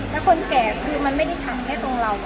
แล้วคนแก่คือมันไม่ได้ขังแค่ตรงเรา